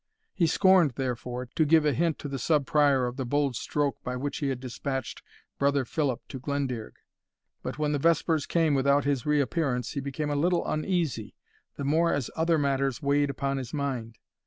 He scorned, therefore, to give a hint to the Sub Prior of the bold stroke by which he had dispatched Brother Philip to Glendearg; but when the vespers came without his reappearance he became a little uneasy, the more as other matters weighed upon his mind.